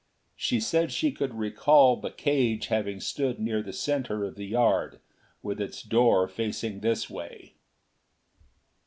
She said she could recall the cage having stood near the center of the yard, with its door facing this way....